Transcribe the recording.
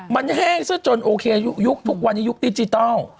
มันแห้งซะจนโอเคยุคทุกวันนี้ยุคดิจิทัล